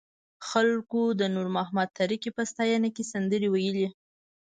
خلکو د نور محمد تره کي په ستاینه کې سندرې ویلې.